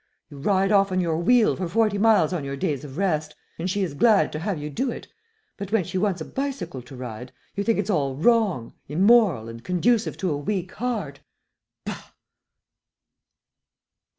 You ride off on your wheel for forty miles on your days of rest, and she is glad to have you do it, but when she wants a bicycle to ride, you think it's all wrong, immoral, and conducive to a weak heart. Bah!"